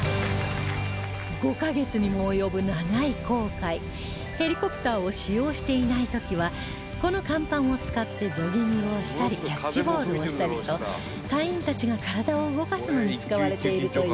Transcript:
５カ月にも及ぶ長い航海ヘリコプターを使用していない時はこの甲板を使ってジョギングをしたりキャッチボールをしたりと隊員たちが体を動かすのに使われているといいます